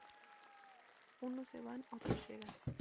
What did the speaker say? Unos se van, otros llegan.